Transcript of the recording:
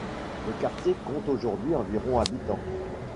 Le quartier compte aujourd'hui environ habitants.